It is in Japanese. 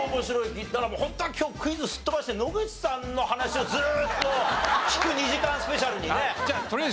言ったらもうホントは今日クイズすっ飛ばして野口さんの話をずーっと聞く２時間スペシャルにね。